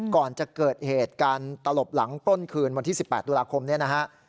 ก่อนจะเกิดเหตุการณ์ตลบหลังต้นคืนวันที่๑๘ตุลาคมนี้นะฮะ